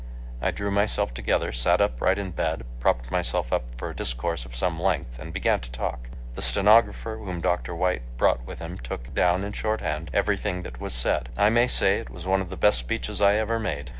I drew myself together, sat upright in bed, propped myself up for a discourse of some length, and began to talk. The stenographer whom Dr. White brought with him took down in shorthand everything that was said. I may say it was one of the best speeches I ever made.